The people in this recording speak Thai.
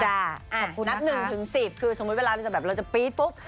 นับหนึ่งถึงสิบคือสมมุติเวลาเราจะปี๊บปุ๊บ